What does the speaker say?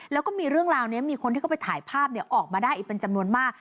แล้วก็มีเรื่องราวนี้มีคนที่เขาไปถ่ายภาพออกมาได้อีกเป็นจำนวนมาก